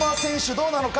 どうなのか？